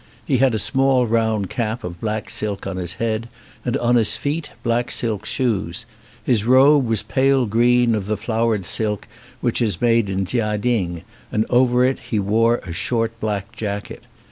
He had a small round cap of black silk on his head, and on his feet black silk shoes. His robe was pale green of the flowered silk which is made in Chia ting, and over it he wore a short black jacket.